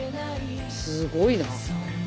すごいな。